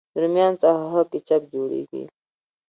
د رومیانو څخه ښه کېچپ جوړېږي.